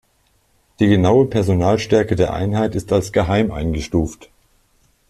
Die genaue Personalstärke der Einheit ist als geheim eingestuft.